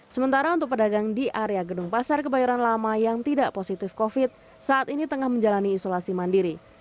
sementara untuk pedagang di area gedung pasar kebayoran lama yang tidak positif covid saat ini tengah menjalani isolasi mandiri